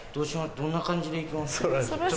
どんな感じで行きます？